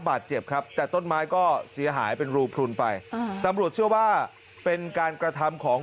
บาดเจ็บครับแต่ต้นไม้ก็เสียหายเป็นรูพลุนไปตำรวจเชื่อว่าเป็นการกระทำของ